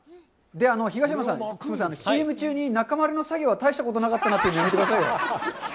東山さん、すいません、ＣＭ中に“中丸の作業は大したことなかったな”って言うのやめてくださいよ！